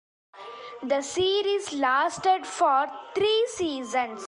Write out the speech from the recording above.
The series lasted for three seasons.